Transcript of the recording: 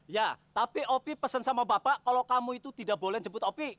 iya tapi opi pesen sama bapak kalau kamu itu tidak boleh nyebut opi